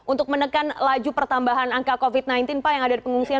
untuk menekan laju pertambahan angka covid sembilan belas pak yang ada di pengungsian